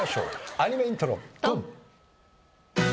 アニメイントロドン！